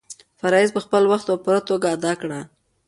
فرایض په خپل وخت او پوره توګه ادا کړه.